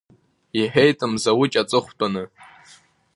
Ихәеит Мзауч аҵыхутәаны.